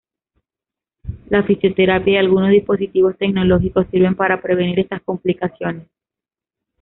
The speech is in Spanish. La fisioterapia y algunos dispositivos tecnológicos, sirven para prevenir estas complicaciones.